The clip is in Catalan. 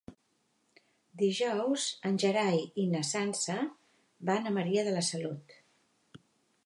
Dijous en Gerai i na Sança van a Maria de la Salut.